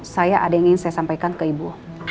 saya ada yang ingin saya sampaikan ke ibu